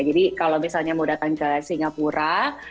jadi kalau misalnya mau datang ke singapura